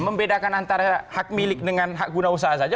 membedakan antara hak milik dengan hak guna usaha saja